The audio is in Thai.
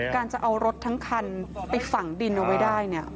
การจะเอารถทั้งคันไปฝังดินเอาไว้ได้เนี่ย